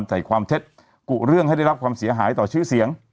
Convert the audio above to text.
ใส่ความเท็จกุเรื่องให้ได้รับความเสียหายต่อชื่อเสียง